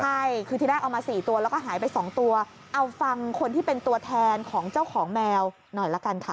ใช่คือที่แรกเอามา๔ตัวแล้วก็หายไป๒ตัวเอาฟังคนที่เป็นตัวแทนของเจ้าของแมวหน่อยละกันค่ะ